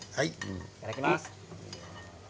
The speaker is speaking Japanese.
いただきます。